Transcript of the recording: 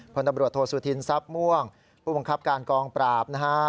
ตำรวจโทษสุธินทรัพย์ม่วงผู้บังคับการกองปราบนะฮะ